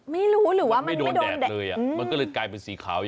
ไม่รู้หรือว่ามันโดนแดดเลยอ่ะมันก็เลยกลายเป็นสีขาว